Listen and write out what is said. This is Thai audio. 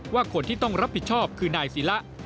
ว่าคนที่ต้องรับผิดชอบคือนายศิละ